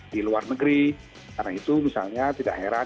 di luar negeri karena itu misalnya tidak heran